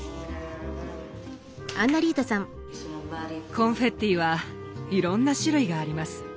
コンフェッティはいろんな種類があります。